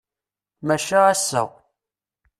Maca ass-a.